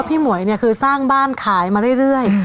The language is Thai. หมวยเนี่ยคือสร้างบ้านขายมาเรื่อย